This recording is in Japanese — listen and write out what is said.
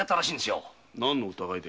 何の疑いだ？